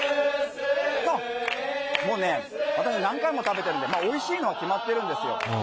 もうね、私何回も食べてるんで、おいしいのは決まってるんですよ。